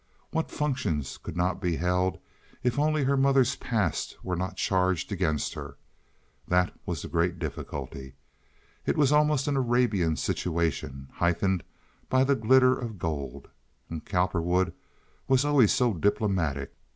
What functions could not be held if only her mother's past were not charged against her! That was the great difficulty. It was almost an Arabian situation, heightened by the glitter of gold. And Cowperwood was always so diplomatic.